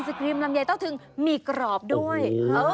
ครีมลำไยเต้าถึงหมี่กรอบด้วย